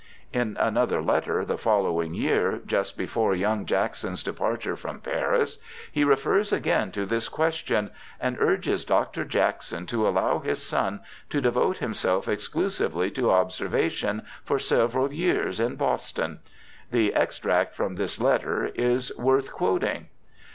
In another letter, the following year, just before young Jackson's departure from Paris, he refers again to this question, and urges Dr. Jackson to allow his son to devote himself exclusively to observation for several years in Boston. The extract from this letter is worth quoting.